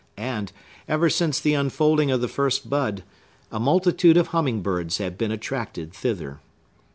And, ever since the unfolding of the first bud, a multitude of humming birds had been attracted thither.